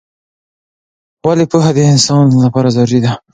ولې پوهه د انسان لپاره ضروری ده؟